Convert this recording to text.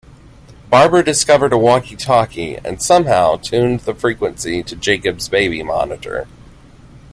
Barbara discovered a walkie-talkie and somehow tuned the frequency to Jacob's baby monitor.